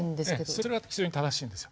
それは非常に正しいんですよ。